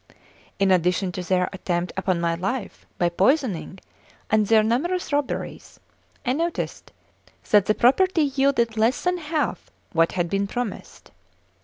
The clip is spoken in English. In addition to their attempt upon my life by poisoning and their numerous robberies, I noticed that the property yielded less than half what had been promised.